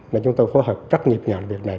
nên chúng tôi phối hợp rất nhịp nhọn việc này